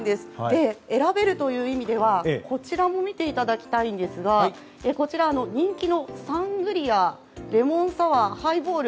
選べるという意味ではこちらも見ていただきたいんですがこちらは人気のサングリアレモンサワー、ハイボール。